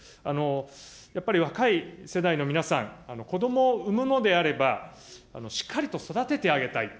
やっぱり若い世代の皆さん、子どもを産むのであれば、しっかりと育ててあげたいと、